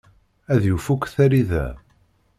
Ad yuf akk talida.